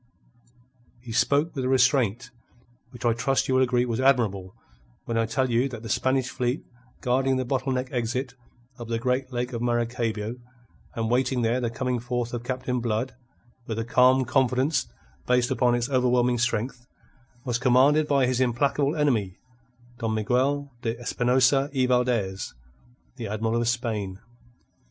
He spoke with a restraint which I trust you will agree was admirable when I tell you that the Spanish fleet guarding the bottle neck exit of the great Lake of Maracaybo, and awaiting there the coming forth of Captain Blood with a calm confidence based upon its overwhelming strength, was commanded by his implacable enemy, Don Miguel de Espinosa y Valdez, the Admiral of Spain.